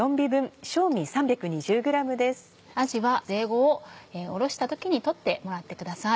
あじはぜいごををおろした時に取ってもらってください。